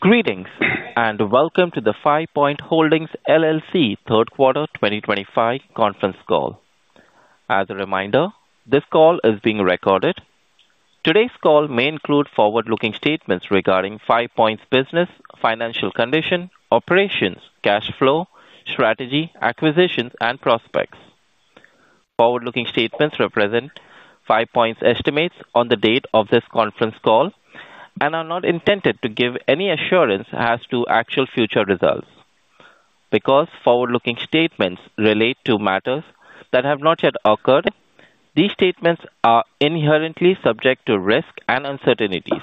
Greetings and welcome to the FivePoint Holdings, LLC Third Quarter 2025 Conference Call. As a reminder, this call is being recorded. Today's call may include forward-looking statements regarding FivePoint's business, financial condition, operations, cash flow, strategy, acquisitions, and prospects. Forward-looking statements represent FivePoint's estimates on the date of this conference call and are not intended to give any assurance as to actual future results. Because forward-looking statements relate to matters that have not yet occurred, these statements are inherently subject to risk and uncertainties.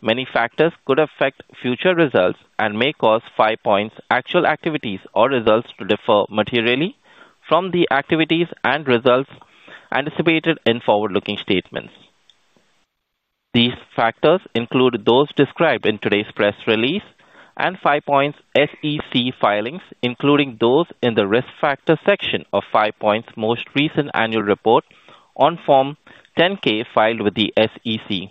Many factors could affect future results and may cause FivePoint's actual activities or results to differ materially from the activities and results anticipated in forward-looking statements. These factors include those described in today's press release and FivePoint's SEC filings, including those in the risk factor section of FivePoint's most recent annual report on Form 10-K filed with the SEC.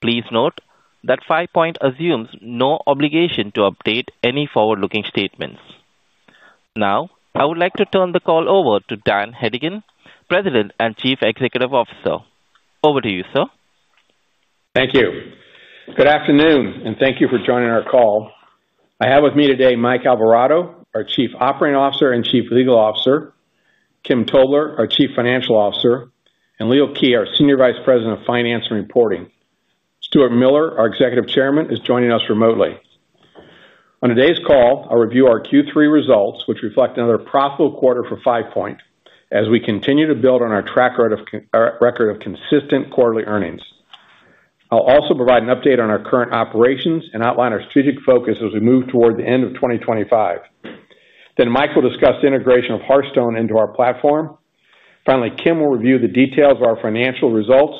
Please note that FivePoint assumes no obligation to update any forward-looking statements. Now, I would like to turn the call over to Daniel Hedigan, President and Chief Executive Officer. Over to you, sir. Thank you. Good afternoon and thank you for joining our call. I have with me today Mike Alvarado, our Chief Operating Officer and Chief Legal Officer, Kim Tobler, our Chief Financial Officer, and Leo Kij, our Senior Vice President of Finance and Reporting, and Stuart Miller, our Executive Chairman, is joining us remotely. On today's call, I'll review our Q3 results, which reflect another profitable quarter for FivePoint as we continue to build on our track record of consis10t quarterly earnings. I'll also provide an update on our current operations and outline our strategic focus as we move toward the end of 2025. Mike will discuss the integration of Hearthstone into our platform. Finally, Kim will review the details of our financial results,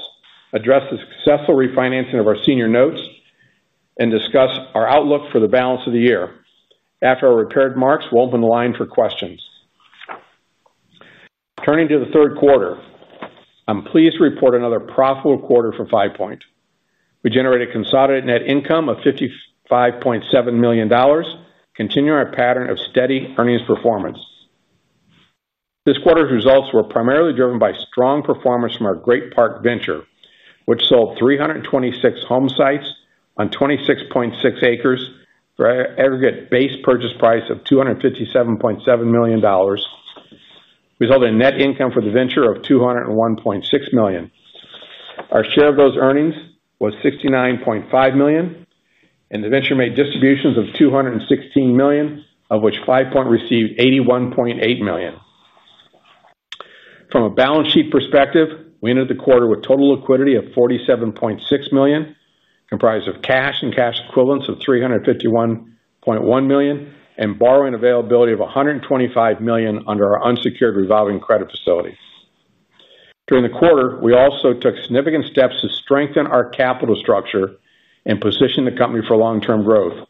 address the successful refinancing of our senior notes, and discuss our outlook for the balance of the year. After our prepared marks, we'll open the line for questions. Turning to the third quarter, I'm pleased to report another profitable quarter for FivePoint. We generated a consolidated net income of $55.7 million, continuing our pattern of steady earnings performance. This quarter's results were primarily driven by strong performance from our Great Park Venture, which sold 326 home sites on 26.6 acres for an aggregate base purchase price of $257.7 million, resulting in net income for the venture of $201.6 million. Our share of those earnings was $69.5 million, and the venture made distributions of $216 million, of which FivePoint received $81.8 million. From a balance sheet perspective, we entered the quarter with total liquidity of $47.6 million, comprised of cash and cash equivalents of $351.1 million, and borrowing availability of $125 million under our unsecured revolving credit facility. During the quarter, we also took significant steps to strengthen our capital structure and position the company for long-term growth.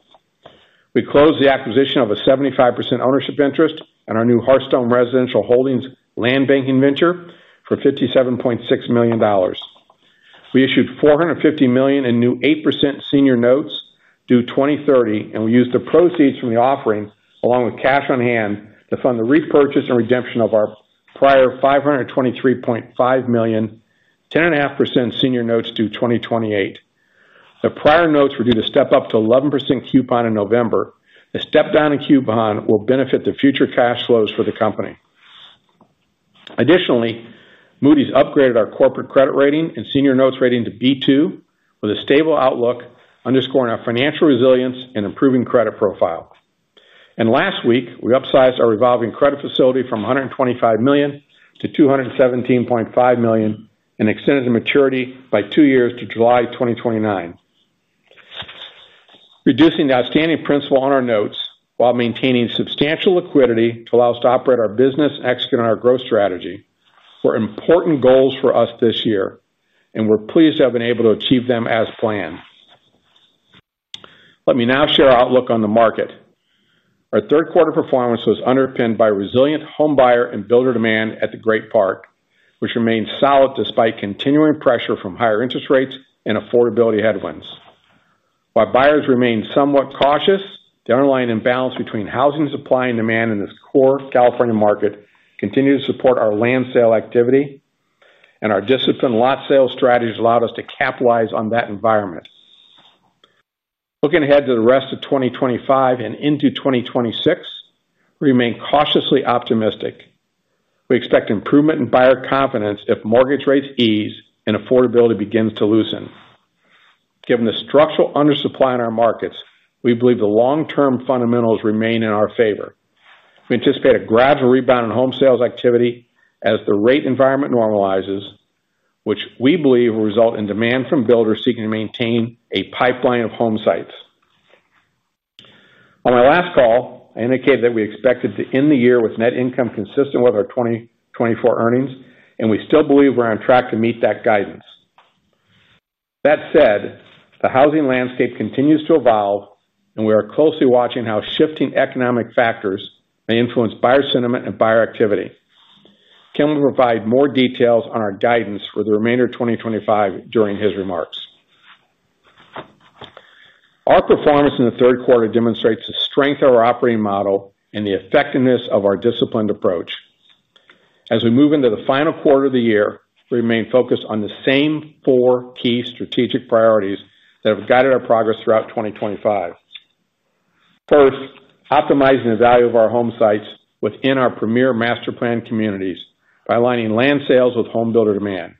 We closed the acquisition of a 75% ownership interest in our new Hearthstone Residential Holdings Land Banking Venture for $57.6 million. We issued $450 million in new 8% senior notes due 2030, and we used the proceeds from the offering, along with cash on hand, to fund the repurchase and redemption of our prior $523.5 million, 10.5% senior notes due 2028. The prior notes were due to step up to an 11% coupon in November. The step-down coupon will benefit the future cash flows for the company. Additionally, Moody’s upgraded our corporate credit rating and senior notes rating to B2 with a stable outlook, underscoring our financial resilience and improving credit profile. Last week, we upsized our revolving credit facility from $125 million-$217.5 million and extended the maturity by 2 years to July 2029, reducing the outstanding principal on our notes while maintaining substantial liquidity to allow us to operate our business and execute on our growth strategy. These were important goals for us this year, and we’re pleased to have been able to achieve them as planned. Let me now share our outlook on the market. Our third-quarter performance was underpinned by resilient home buyer and builder demand at the Great Park, which remains solid despite continuing pressure from higher interest rates and affordability headwinds. While buyers remain somewhat cautious, the underlying imbalance between housing supply and demand in this core California market continues to support our land sale activity, and our disciplined lot sale strategies allowed us to capitalize on that environment. Looking ahead to the rest of 2025 and into 2026, we remain cautiously optimistic. We expect improvement in buyer confidence if mortgage rates ease and affordability begins to loosen. Given the structural undersupply in our markets, we believe the long-term fundamentals remain in our favor. We anticipate a gradual rebound in home sales activity as the rate environment normalizes, which we believe will result in demand from builders seeking to maintain a pipeline of home sites. On my last call, I indicated that we expected to end the year with net income consis10t with our 2024 earnings, and we still believe we’re on track to meet that guidance. That said, the housing landscape continues to evolve, and we are closely watching how shifting economic factors may influence buyer sentiment and buyer activity. Kim will provide more details on our guidance for the remainder of 2025 during his remarks. Our performance in the third quarter demonstrates the strength of our operating model and the effectiveness of our disciplined approach. As we move into the final quarter of the year, we remain focused on the same four key strategic priorities that have guided our progress throughout 2025. First, optimizing the value of our home sites within our premier master-planned communities by aligning land sales with home builder demand.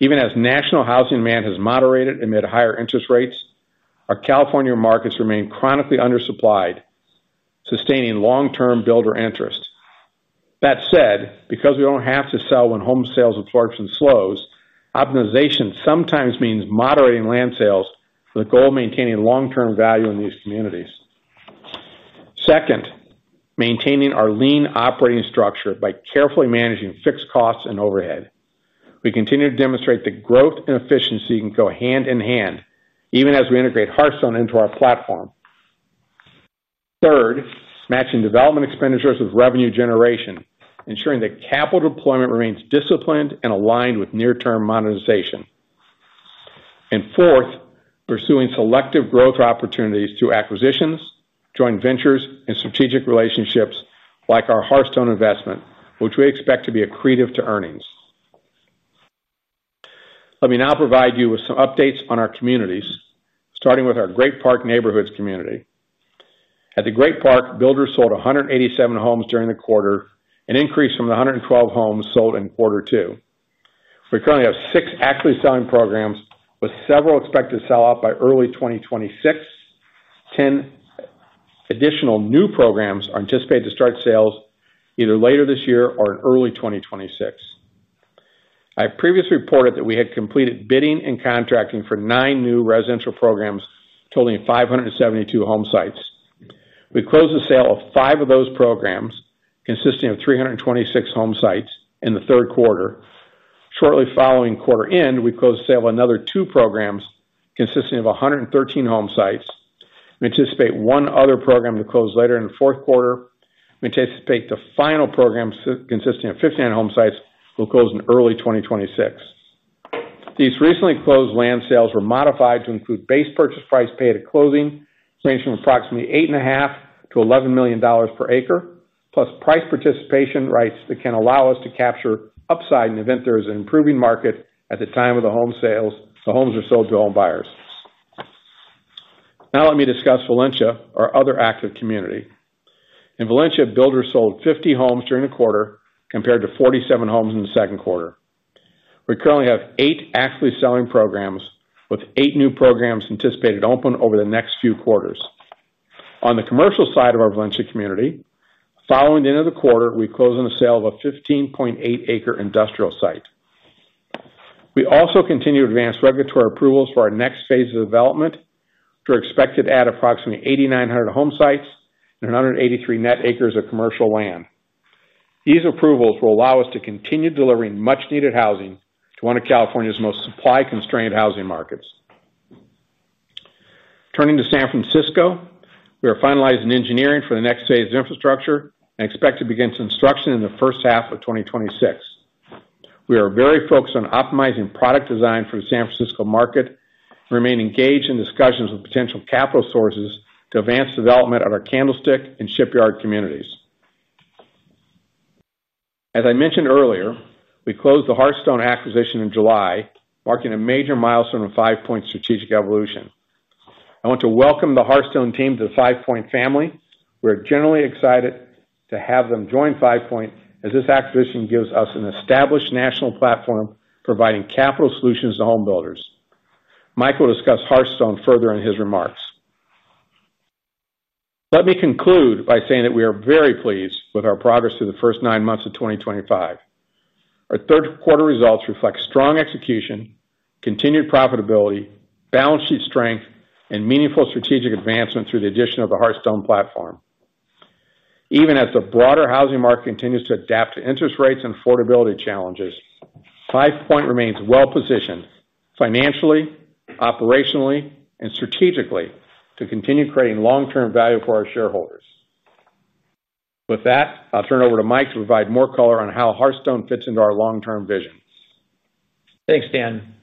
Even as national housing demand has moderated amid higher interest rates, our California markets remain chronically undersupplied, sustaining long-term builder interest. That said, because we don't have to sell when home sales absorption slows, optimization sometimes means moderating land sales with the goal of maintaining long-term value in these communities. Second, maintaining our lean operating structure by carefully managing fixed costs and overhead. We continue to demonstrate that growth and efficiency can go hand in hand, even as we integrate Hearthstone into our platform. Third, matching development expenditures with revenue generation, ensuring that capital deployment remains disciplined and aligned with near-term modernization. Fourth, pursuing selective growth opportunities through acquisitions, joint ventures, and strategic relationships like our Hearthstone investment, which we expect to be accretive to earnings. Let me now provide you with some updates on our communities, starting with our Great Park Neighborhoods community. At the Great Park, builders sold 187 homes during the quarter, an increase from the 112 homes sold in quarter two. We currently have six actively selling programs with several expected to sell out by early 2026. 10 additional new programs are anticipated to start sales either later this year or in early 2026. I have previously reported that we had completed bidding and contracting for nine new residential programs totaling 572 home sites. We closed the sale of five of those programs, consisting of 326 home sites in the third quarter. Shortly following quarter end, we closed the sale of another two programs, consisting of 113 home sites. We anticipate one other program to close later in the fourth quarter. We anticipate the final program, consisting of 59 home sites, will close in early 2026. These recently closed land sales were modified to include base purchase price paid at closing, ranging from approximately $8.5 million-$11 million per acre, plus price participation rights that can allow us to capture upside in the event there is an improving market at the time the homes are sold to home buyers. Now let me discuss Valencia, our other active community. In Valencia, builders sold 50 homes during the quarter, compared to 47 homes in the second quarter. We currently have eight actively selling programs, with eight new programs anticipated to open over the next few quarters. On the commercial side of our Valencia community, following the end of the quarter, we closed on a sale of a 15.8-acre industrial site. We also continue to advance regulatory approvals for our next phase of development, which are expected to add approximately 8,900 home sites and 183 net acres of commercial land. These approvals will allow us to continue delivering much-needed housing to one of California's most supply-constrained housing markets. Turning to San Francisco, we are finalizing engineering for the next phase of infrastructure and expect to begin construction in the first half of 2026. We are very focused on optimizing product design for the San Francisco market and remain engaged in discussions with po10tial capital sources to advance development at our Candlestick and Shipyard communities. As I mentioned earlier, we closed the Hearthstone acquisition in July, marking a major milestone in FivePoint's strategic evolution. I want to welcome the Hearthstone team to the FivePoint family. We are genuinely excited to have them join FivePoint as this acquisition gives us an established national platform providing capital solutions to home builders. Mike will discuss Hearthstone further in his remarks. Let me conclude by saying that we are very pleased with our progress through the first 9 months of 2025. Our third-quarter results reflect strong execution, continued profitability, balance sheet strength, and meaningful strategic advancement through the addition of the Hearthstone platform. Even as the broader housing market continues to adapt to interest rates and affordability challenges, FivePoint remains well-positioned financially, operationally, and strategically to continue creating long-term value for our shareholders. With that, I'll turn it over to Mike to provide more color on how Hearthstone fits into our long-term vision. Thanks, Dan.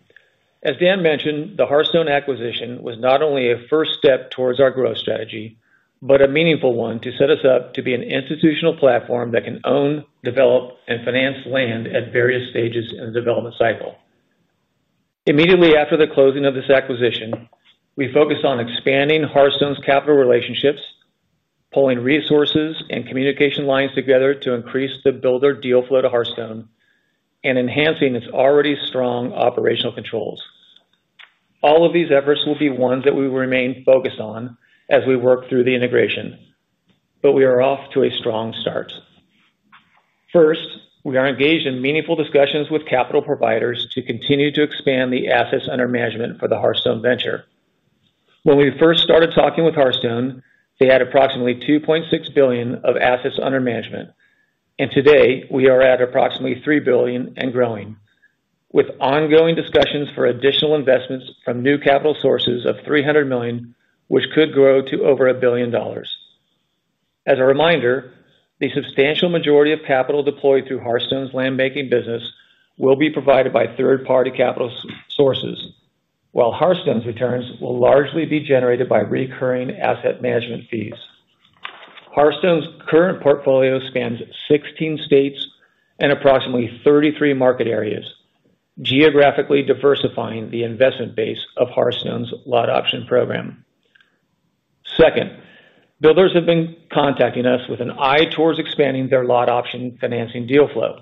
As Dan mentioned, the Hearthstone acquisition was not only a first step towards our growth strategy, but a meaningful one to set us up to be an institutional platform that can own, develop, and finance land at various stages in the development cycle. Immediately after the closing of this acquisition, we focused on expanding Hearthstone's capital relationships, pulling resources and communication lines together to increase the builder deal flow to Hearthstone, and enhancing its already strong operational controls. All of these efforts will be ones that we will remain focused on as we work through the integration, but we are off to a strong start. First, we are engaged in meaningful discussions with capital providers to continue to expand the assets under management for the Hearthstone venture. When we first started talking with Hearthstone, they had approximately $2.6 billion of assets under management, and today we are at approximately $3 billion and growing, with ongoing discussions for additional investments from new capital sources of $300 million, which could grow to over $1 billion. As a reminder, the substantial majority of capital deployed through Hearthstone's land banking business will be provided by third-party capital sources, while Hearthstone's returns will largely be generated by recurring asset management fees. Hearthstone's current portfolio spans 16 states and approximately 33 market areas, geographically diversifying the investment base of Hearthstone's lot option program. Second, builders have been contacting us with an eye towards expanding their lot option financing deal flow.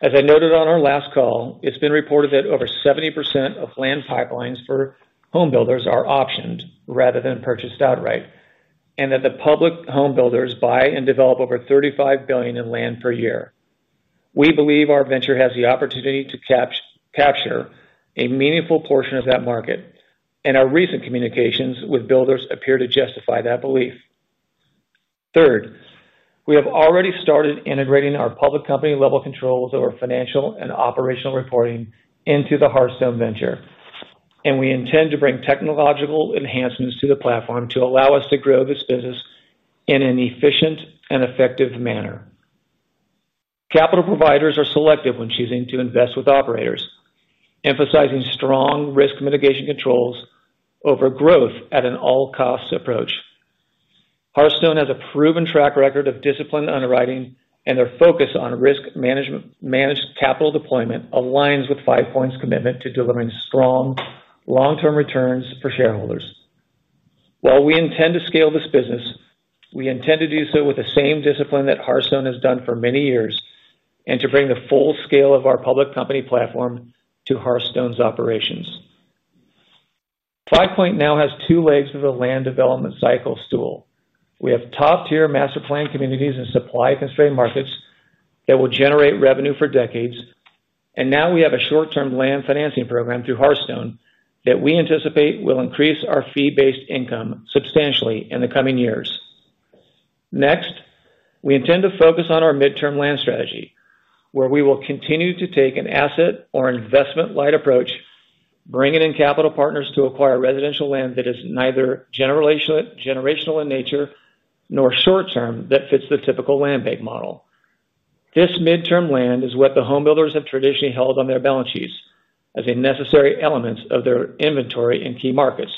As I noted on our last call, it's been reported that over 70% of land pipelines for home builders are optioned rather than purchased outright, and that the public home builders buy and develop over $35 billion in land per year. We believe our venture has the opportunity to capture a meaningful portion of that market, and our recent communications with builders appear to justify that belief. Third, we have already started integrating our public company-level controls of our financial and operational reporting into the Hearthstone venture, and we intend to bring technological enhancements to the platform to allow us to grow this business in an efficient and effective manner. Capital providers are selective when choosing to invest with operators, emphasizing strong risk mitigation controls over growth at an all-cost approach. Hearthstone has a proven track record of disciplined underwriting, and their focus on risk management managed capital deployment aligns with FivePoint's commitment to delivering strong long-term returns for shareholders. While we intend to scale this business, we intend to do so with the same discipline that Hearthstone has done for many years, and to bring the full scale of our public company platform to Hearthstone's operations. FivePoint now has two legs of the land development cycle stool. We have top-tier master-planned communities in supply-constrained markets that will generate revenue for decades, and now we have a short-term land financing program through Hearthstone that we anticipate will increase our fee-based income substantially in the coming years. Next, we intend to focus on our midterm land strategy, where we will continue to take an asset or investment-light approach, bringing in capital partners to acquire residential land that is neither generational in nature nor short-term that fits the typical land bank model. This midterm land is what the home builders have traditionally held on their balance sheets as a necessary element of their inventory in key markets.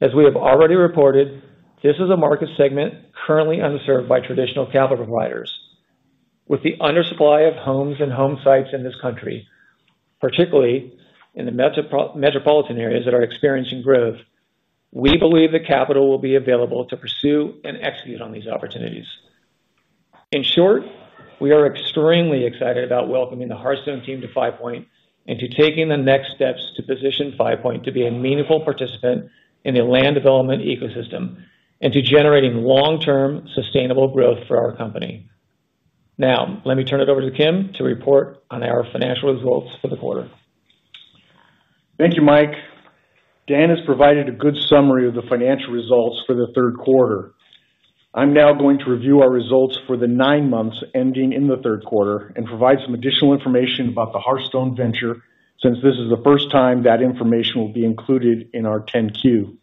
As we have already reported, this is a market segment currently underserved by traditional capital providers. With the undersupply of homes and home sites in this country, particularly in the metropolitan areas that are experiencing growth, we believe the capital will be available to pursue and execute on these opportunities. In short, we are extremely excited about welcoming the Hearthstone team to FivePoint and to taking the next steps to position FivePoint to be a meaningful participant in the land development ecosystem and to generating long-term sustainable growth for our company. Now, let me turn it over to Kim to report on our financial results for the quarter. Thank you, Mike. Dan has provided a good summary of the financial results for the third quarter. I'm now going to review our results for the 9 months ending in the third quarter and provide some additional information about the Hearthstone Venture since this is the first time that information will be included in our 10-Q.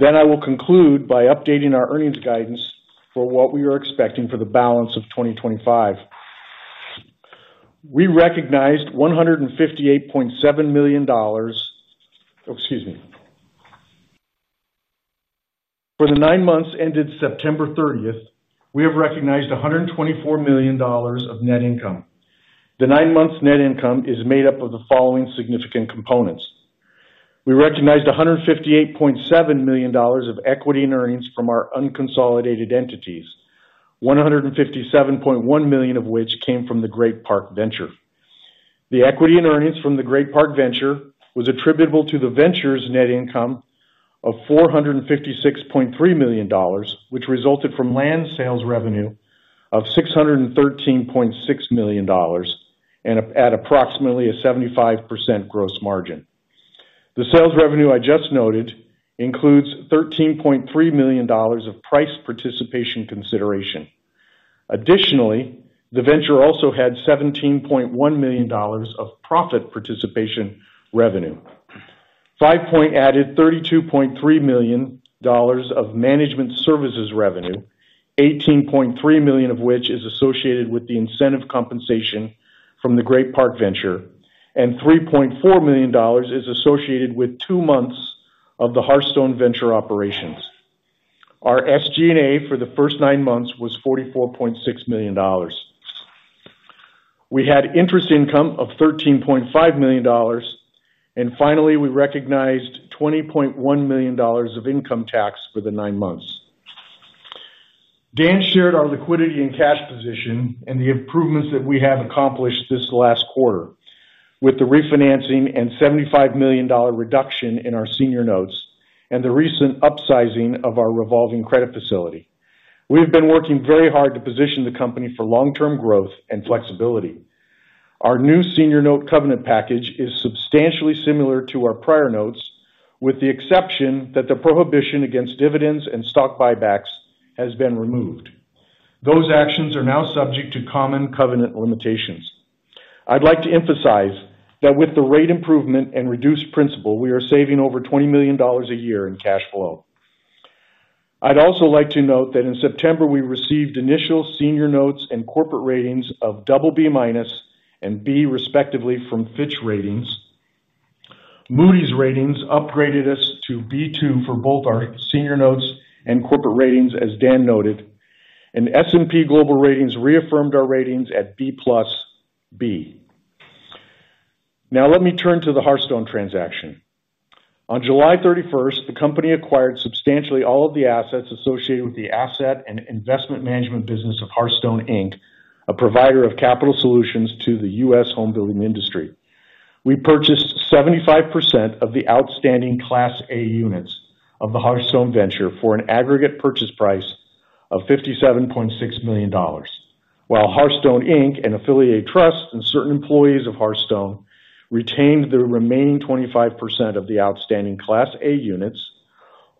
I will conclude by updating our earnings guidance for what we are expecting for the balance of 2025. We recognized $158.7 million. For the 9 months ended September 30th, we have recognized $124 million of net income. The 9 months' net income is made up of the following significant components. We recognized $158.7 million of equity in earnings from our unconsolidated entities, $157.1 million of which came from the Great Park Venture. The equity in earnings from the Great Park Venture was attributable to the venture's net income of $456.3 million, which resulted from land sales revenue of $613.6 million at approximately a 75% gross margin. The sales revenue I just noted includes $13.3 million of price participation consideration. Additionally, the venture also had $17.1 million of profit participation revenue. FivePoint added $32.3 million of management services revenue, $18.3 million of which is associated with the incentive compensation from the Great Park Venture, and $3.4 million is associated with 2 months of the hearthstone Venture operations. Our SG&A for the first 9 months was $44.6 million. We had interest income of $13.5 million, and finally, we recognized $20.1 million of income tax for the 9 months. Dan shared our liquidity and cash position and the improvements that we have accomplished this last quarter, with the refinancing and $75 million reduction in our senior notes and the recent upsizing of our revolving credit facility. We have been working very hard to position the company for long-term growth and flexibility. Our new senior note covenant package is substantially similar to our prior notes, with the exception that the prohibition against dividends and stock buybacks has been removed. Those actions are now subject to common covenant limitations. I'd like to emphasize that with the rate improvement and reduced principal, we are saving over $20 million a year in cash flow. I'd also like to note that in September, we received initial senior notes and corporate ratings of BB- and B, respectively, from Fitch Ratings. Moody’s upgraded us to B2 for both our senior notes and corporate ratings, as Dan noted, and S&P Global reaffirmed our ratings at B+ and B. Now, let me turn to the Hearthstone transaction. On July 31st, the company acquired substantially all of the assets associated with the asset and investment management business of Hearthstone Inc., a provider of capital solutions to the U.S. home building industry. We purchased 75% of the outstanding Class A units of the Hearthstone Venture for an aggregate purchase price of $57.6 million, while Hearthstone Inc. and affiliated trusts and certain employees of Hearthstone retained the remaining 25% of the outstanding Class A units,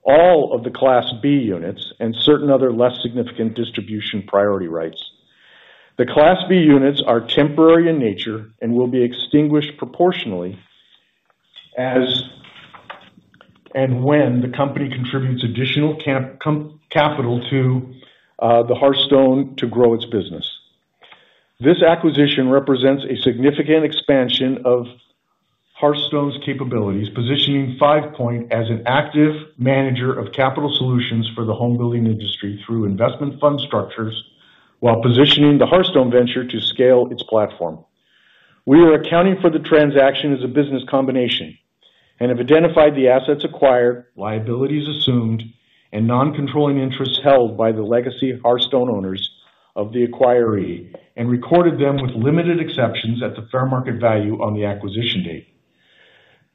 all of the Class B units, and certain other less significant distribution priority rights. The Class B units are temporary in nature and will be extinguished proportionally as and when the company contributes additional capital to Hearthstone to grow its business. This acquisition represents a significant expansion of Hearthstone’s capabilities, positioning FivePoint as an active manager of capital solutions for the home building industry through investment fund structures, while positioning the Hearthstone Venture to scale its platform. We are accounting for the transaction as a business combination and have identified the assets acquired, liabilities assumed, and non-controlling interests held by the legacy Hearthstone owners of the acquiree and recorded them, with limited exceptions, at the fair market value on the acquisition date.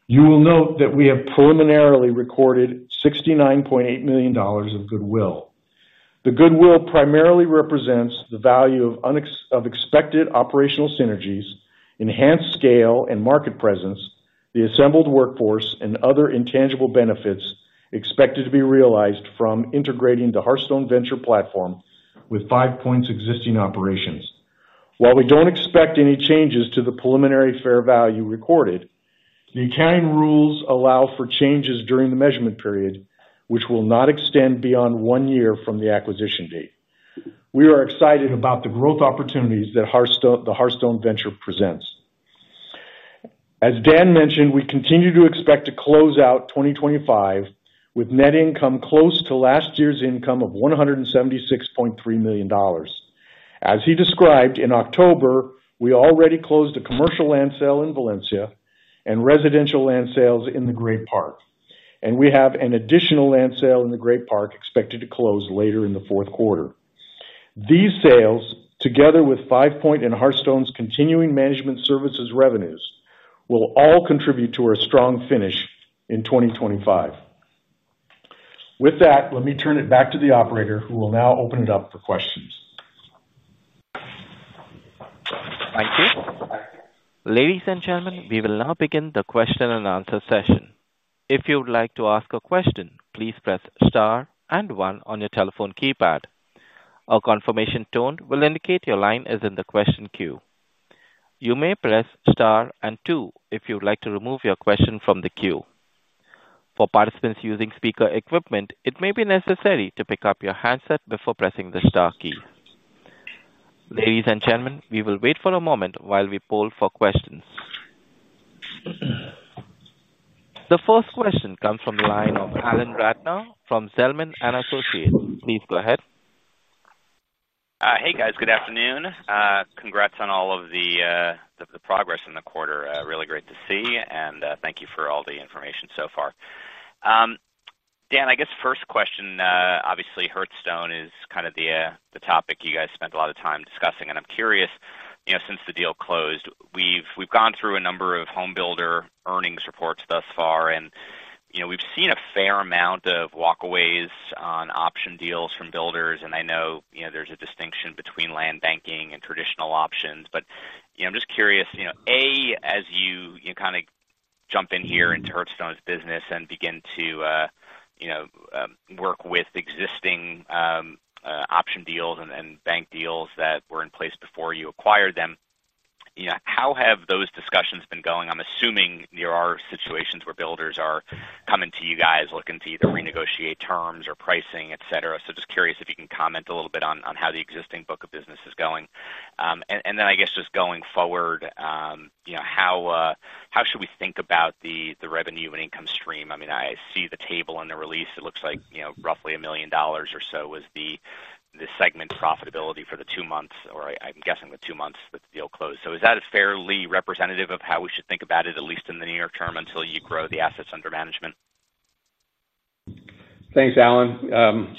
You will note that we have preliminarily recorded $69.8 million of goodwill. The goodwill primarily represents the value of expected operational synergies, enhanced scale and market presence, the assembled workforce, and other intangible benefits expected to be realized from integrating the Hearthstone Venture platform with FivePoint’s existing operations. While we don’t expect any changes to the preliminary fair value recorded, the accounting rules allow for changes during the measurement period, which will not extend beyond 1 year from the acquisition date. We are excited about the growth opportunities that the Hearthstone Venture presents. As Dan mentioned, we continue to expect to close out 2025 with net income close to last year’s income of $176.3 million. As he described in October, we already closed a commercial land sale in Valencia and residential land sales in the Great Park, and we have an additional land sale in the Great Park expected to close later in the fourth quarter. These sales, together with FivePoint and Hearthstone's continuing management services revenues, will all contribute to our strong finish in 2025. With that, let me turn it back to the operator, who will now open it up for questions. Thank you. Ladies and gentlemen, we will now begin the question-and-answer session. If you would like to ask a question, please press star and one on your telephone keypad. A confirmation tone will indicate your line is in the question queue. You may press star and two if you would like to remove your question from the queue. For participants using speaker equipment, it may be necessary to pick up your handset before pressing the star key. Ladies and gentlemen, we will wait for a moment while we poll for questions. The first question comes from the line of Alan Ratner from Zelman & Associates. Please go ahead. Hey, guys. Good afternoon. Congrats on all of the progress in the quarter. Really great to see, and thank you for all the information so far. Dan, I guess first question, obviously, Hearthstone is kind of the topic you guys spent a lot of time discussing, and I'm curious, you know, since the deal closed, we've gone through a number of home builder earnings reports thus far, and we've seen a fair amount of walk-aways on option deals from builders. I know there's a distinction between land banking and traditional options, but I'm just curious, A, as you kind of jump in here into Hearthstone's business and begin to work with existing option deals and bank deals that were in place before you acquired them, how have those discussions been going? I'm assuming there are situations where builders are coming to you guys looking to either renegotiate terms or pricing, et cetera. Just curious if you can comment a little bit on how the existing book of business is going. I guess just going forward, how should we think about the revenue and income stream? I mean, I see the table on the release. It looks like roughly $1 million or so was the segment profitability for 2 months, or I'm guessing 2 months that the deal closed. Is that fairly representative of how we should think about it, at least in the near term until you grow the assets under management? Thanks, Alan.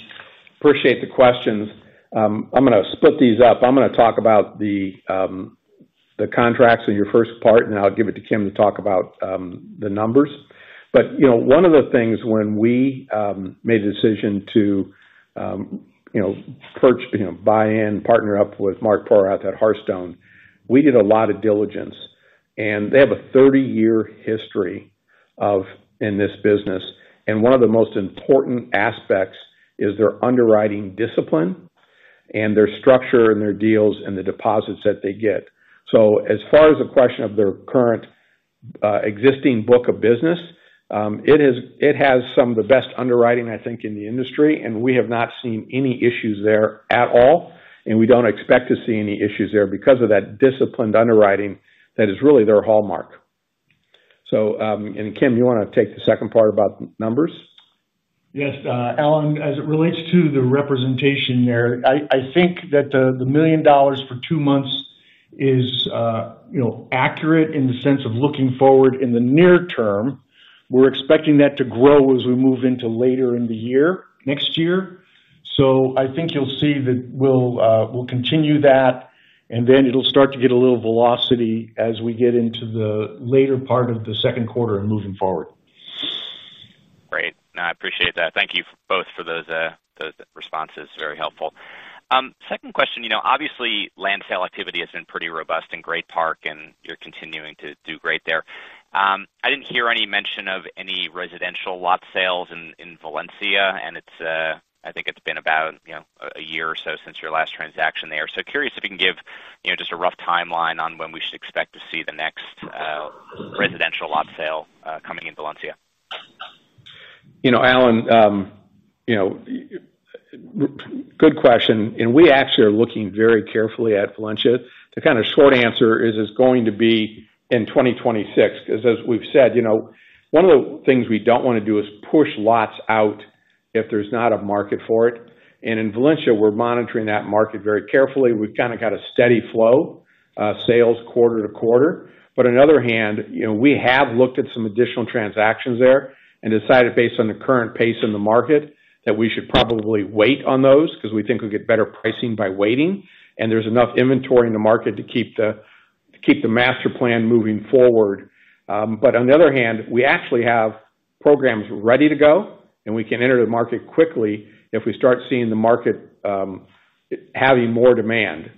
Appreciate the questions. I'm going to split these up. I'm going to talk about the contracts in your first part, and then I'll give it to Kim to talk about the numbers. One of the things when we made a decision to, you know, buy in, partner up with Mark Porath at Hearthstone, we did a lot of diligence, and they have a 30-year history in this business. One of the most important aspects is their underwriting discipline and their structure and their deals and the deposits that they get. As far as a question of their current existing book of business, it has some of the best underwriting, I think, in the industry, and we have not seen any issues there at all, and we don't expect to see any issues there because of that disciplined underwriting that is really their hallmark. Kim, you want to take the second part about the numbers? Yes, Alan, as it relates to the representation there, I think that the $1 million for 2 months is, you know, accurate in the sense of looking forward in the near term. We're expecting that to grow as we move into later in the year, next year. I think you'll see that we'll continue that, and then it'll start to get a little velocity as we get into the later part of the second quarter and moving forward. Great. No, I appreciate that. Thank you both for those responses. Very helpful. Second question, obviously, land sale activity has been pretty robust in Great Park, and you're continuing to do great there. I didn't hear any mention of any residential lot sales in Valencia, and I think it's been about a year or so since your last transaction there. Curious if you can give just a rough timeline on when we should expect to see the next residential lot sale coming in Valencia. You know, Alan, good question. We actually are looking very carefully at Valencia. The kind of short answer is it's going to be in 2026, because as we've said, one of the things we don't want to do is push lots out if there's not a market for it. In Valencia, we're monitoring that market very carefully. We've kind of got a steady flow of sales quarter to quarter. On the other hand, we have looked at some additional transactions there and decided, based on the current pace in the market, that we should probably wait on those because we think we'll get better pricing by waiting, and there's enough inventory in the market to keep the master plan moving forward. On the other hand, we actually have programs ready to go, and we can enter the market quickly if we start seeing the market having more demand.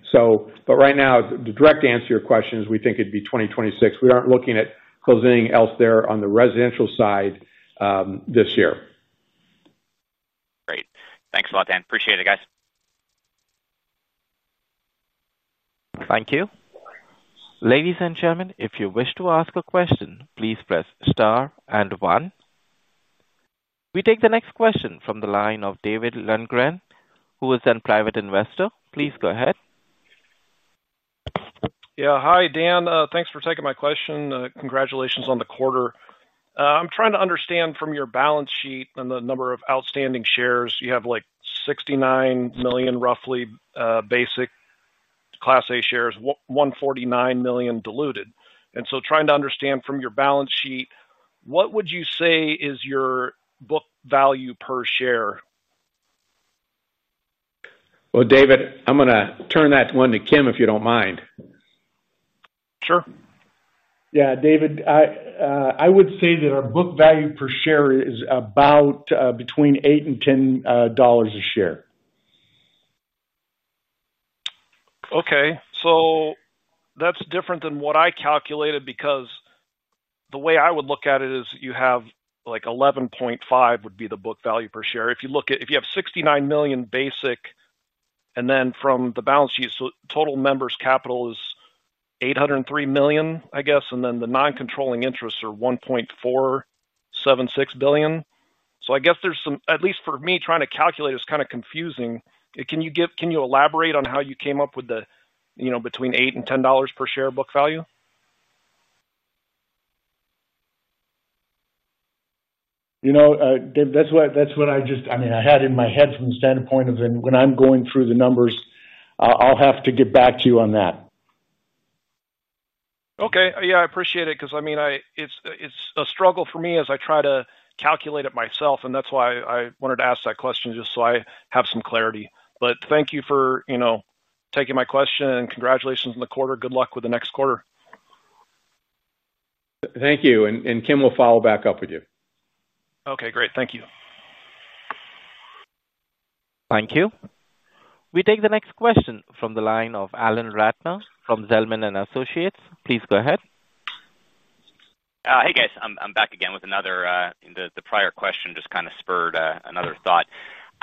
Right now, the direct answer to your question is we think it'd be 2026. We aren't looking at closing anything else there on the residential side this year. Great. Thanks a lot, Dan. Appreciate it, guys. Thank you. Ladies and gentlemen, if you wish to ask a question, please press star and one. We take the next question from the line of David Lundgren, who is a private investor. Please go ahead. Yeah. Hi, Dan. Thanks for taking my question. Congratulations on the quarter. I'm trying to understand from your balance sheet and the number of outstanding shares, you have like 69 million roughly basic Class A shares, 149 million diluted. I'm trying to understand from your balance sheet, what would you say is your book value per share? David, I'm going to turn that one to Kim if you don't mind. Sure. Yeah, David, I would say that our book value per share is about between $8 and $10 a share. Okay. That's different than what I calculated because the way I would look at it is you have like $11.5 would be the book value per share. If you look at if you have 69 million basic and then from the balance sheet, total members' capital is $803 million, I guess, and then the non-controlling interests are $1.476 billion. I guess there's some, at least for me, trying to calculate it is kind of confusing. Can you elaborate on how you came up with the, you know, between $8 and $10 per share book value? That's what I just had in my head from the standpoint of when I'm going through the numbers. I'll have to get back to you on that. Okay. I appreciate it because it's a struggle for me as I try to calculate it myself, and that's why I wanted to ask that question just so I have some clarity. Thank you for taking my question, and congratulations on the quarter. Good luck with the next quarter. Thank you. Kim will follow back up with you. Okay. Great. Thank you. Thank you. We take the next question from the line of Alan Ratner from Zelman & Associates. Please go ahead. Hey, guys. I'm back again with another, the prior question just kind of spurred another thought.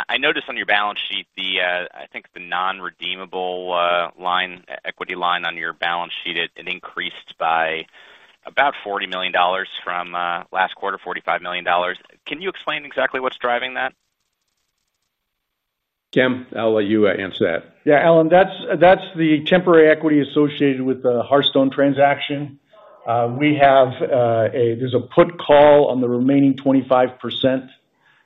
I noticed on your balance sheet, I think the non-redeemable equity line on your balance sheet increased by about $40 million from last quarter, $45 million. Can you explain exactly what's driving that? Kim, I'll let you answer that. Yeah, Alan, that's the temporary equity associated with the Hearthstone transaction. We have a, there's a put call on the remaining 25%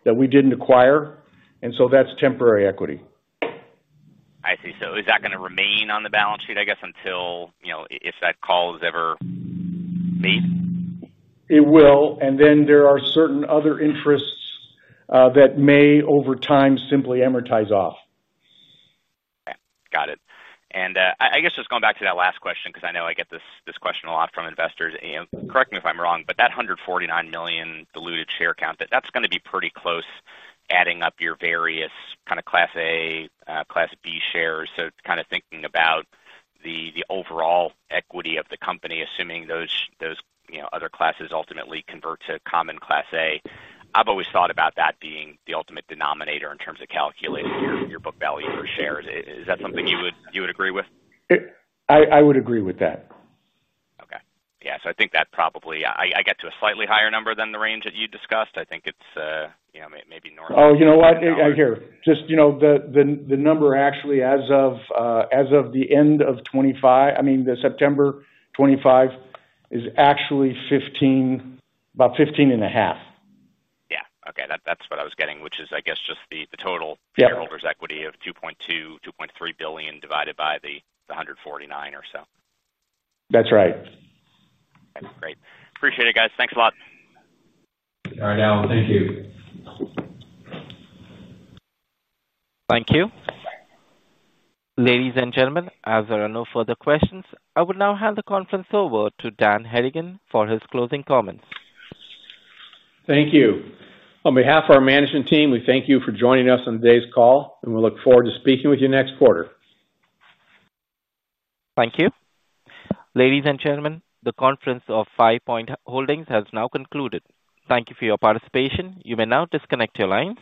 that we didn't acquire, and so that's temporary equity. I see. Is that going to remain on the balance sheet, I guess, until, you know, if that call is ever made? It will. There are certain other interests that may, over time, simply amortize off. Okay. Got it. I guess just going back to that last question, because I know I get this question a lot from investors, and correct me if I'm wrong, but that $149 million diluted share count, that's going to be pretty close adding up your various kind of Class A, Class B shares. Kind of thinking about the overall equity of the company, assuming those other classes ultimately convert to common Class A. I've always thought about that being the ultimate denominator in terms of calculating your book value per share. Is that something you would agree with? I would agree with that. Okay. I think that probably, I get to a slightly higher number than the range that you discussed. I think it's maybe north. You know what? The number actually, as of the end of 2025, I mean, September 2025, is actually $15 million, about $15.5 million. Yeah. Okay. That's what I was getting, which is, I guess, just the total shareholders' equity of $2.2 billion, $2.3 billion divided by the 149 or so. That's right. Okay. Great. Appreciate it, guys. Thanks a lot. All right, Alan. Thank you. Thank you. Ladies and gentlemen, as there are no further questions, I will now hand the conference over to Daniel Hedigan for his closing comments. Thank you. On behalf of our management team, we thank you for joining us on today's call, and we look forward to speaking with you next quarter. Thank you. Ladies and gentlemen, the conference of FivePoint Holdings has now concluded. Thank you for your participation. You may now disconnect your lines.